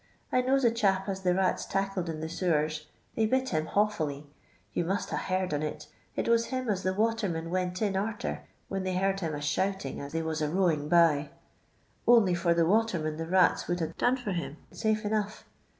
I knows a chap as the rats tackled in the sewers ; they bit him hawfully : yon must ha' heard on it ; it was him as the water men went in arter when they heard him a shouting as they was a rowin' by. Only for the watermen the rats would ha' done for him, safe enough.